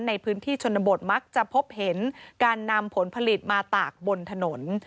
ในพื้นที่ชนบทมักจะพบเห็นการนำผลผลิตมาตากบนถนน